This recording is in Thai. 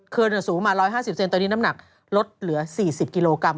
คืนสูงมา๑๕๐เซนตอนนี้น้ำหนักลดเหลือ๔๐กิโลกรัม